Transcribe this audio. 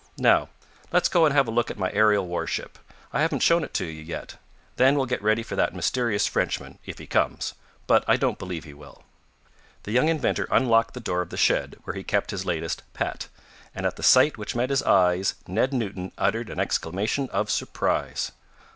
"Now, let's go and have a look at my aerial warship. I haven't shown it to you yet. Then we'll get ready for that mysterious Frenchman, if he comes but I don't believe he will." The young inventor unlocked the door of the shed where he kept his latest "pet," and at the sight which met his eyes Ned Newton uttered an exclamation of surprise.